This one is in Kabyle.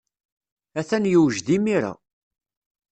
Atan yewjed imir-a.